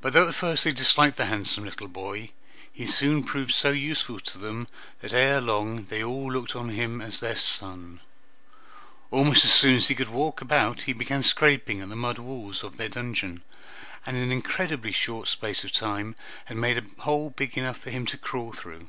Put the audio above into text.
But though at first they disliked the handsome little boy, he soon proved so useful to them, that ere long they all looked on him as their son. Almost as soon as he could walk about he began scraping at the mud wall of their dungeon, and in an incredibly short space of time had made a hole big enough for him to crawl through.